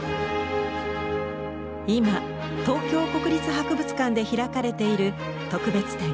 今東京国立博物館で開かれている特別展